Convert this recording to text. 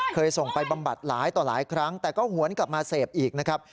ส่งไปบำบัดหลายต่อหลายครั้งแต่ก็หวนกลับมาเสพอีกนะครับ